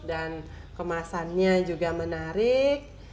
dan kemasannya juga menarik